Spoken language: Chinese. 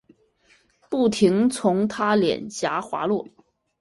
不停从她脸颊滑落